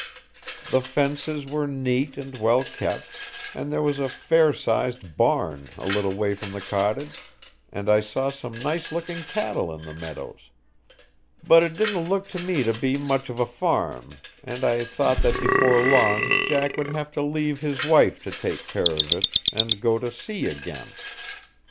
The fences were neat and well kept, and there was a fair sized barn a little way from the cottage, and I saw some nice looking cattle in the meadows; but it didn't look to me to be much of a farm, and I thought that before long Jack would have to leave his wife to take care of it, and go to sea again.